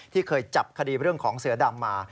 เคยจับคดีเรื่องของเสือดำมา